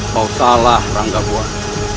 kau salah ranggabuat